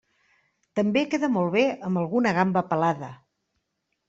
També queda molt bé amb alguna gamba pelada.